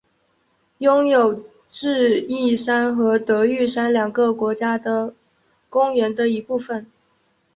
拥有智异山和德裕山两个国家公园的一部份。